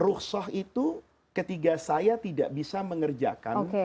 ruhsoh itu ketika saya tidak bisa mengerjakan